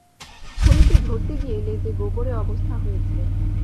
খুনিকে ধরতে গিয়ে লেজে গোবরে অবস্থা হয়েছে।